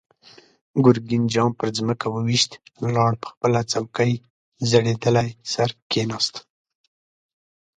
ګرګين جام پر ځمکه و ويشت، لاړ، په خپله څوکۍ زړېدلی سر کېناست.